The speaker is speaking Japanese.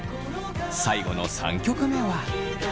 最後の３曲目は。